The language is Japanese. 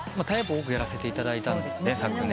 多くやらせていただいたんで昨年。